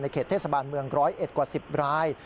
ในเขตเทศบาลเมืองร้อยเอ็ดกว่า๑๐ราย